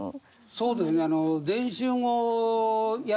そうですね。